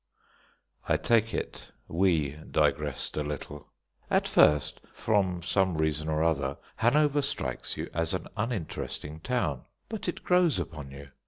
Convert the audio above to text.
I take it we digressed a little. At first, from some reason or other, Hanover strikes you as an uninteresting town, but it grows upon you.